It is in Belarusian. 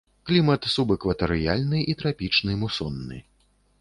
Клімат субэкватарыяльны і трапічны мусонны.